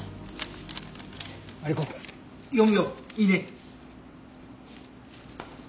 マリコくん読むよ。いいね？